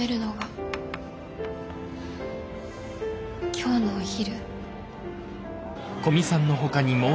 今日のお昼。